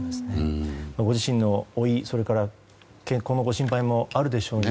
ご自身の老いそれから健康のご心配もあるでしょうに